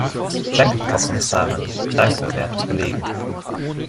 Danke, Frau Kommissarin, danke, werte Kollegen.